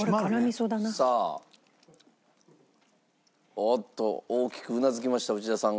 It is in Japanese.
おっと大きくうなずきました内田さんが。